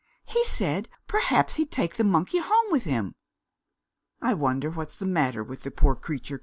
He said perhaps he'd take the monkey home with him." "I wonder what's the matter with the poor creature?"